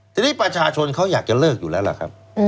ทีนี้ประชาชนเขาอยากจะเลิกอยู่แล้วล่ะครับ